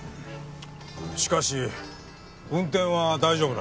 しかし運転は大丈夫なのか？